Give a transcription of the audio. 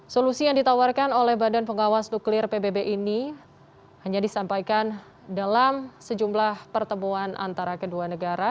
solusi yang ditawarkan oleh badan pengawas nuklir pbb ini hanya disampaikan dalam sejumlah pertemuan antara kedua negara